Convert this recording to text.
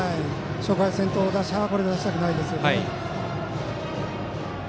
初回、先頭打者は出したくないですよね。